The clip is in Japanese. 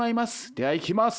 ではいきます」。